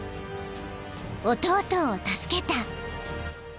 ［弟を助けた］